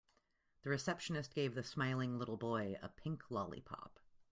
The receptionist gave the smiling little boy a pink lollipop.